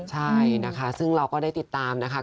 ใช่นะคะซึ่งเราก็ได้ติดตามนะคะ